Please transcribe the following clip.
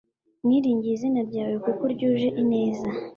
Niringiye izina ryawe kuko ryuje ineza